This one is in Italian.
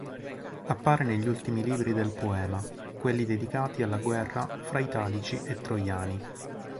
Appare negli ultimi libri del poema, quelli dedicati alla guerra fra italici e troiani.